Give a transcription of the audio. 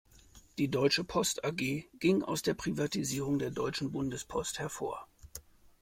Die deutsche Post A-G ging aus der Privatisierung der deutschen Bundespost hervor.